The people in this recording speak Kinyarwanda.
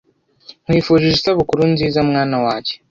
nkwifurije isabukuru nziza mwana wanjye